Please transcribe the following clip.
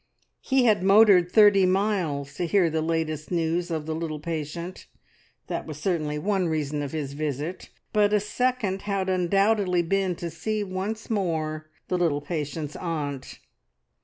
He had motored thirty miles to hear the latest news of the little patient that was certainly one reason of his visit; but a second had undoubtedly been to see once more the little patient's aunt!